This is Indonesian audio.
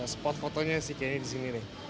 spot fotonya sih kayaknya di sini deh